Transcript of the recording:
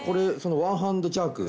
「ワンハンドジャーク。